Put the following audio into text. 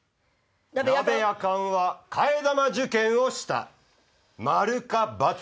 なべやかんは替え玉受験をした「○」か「×」か。